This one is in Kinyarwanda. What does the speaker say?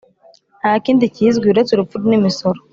ntakindi kizwi uretse urupfu n'imisoro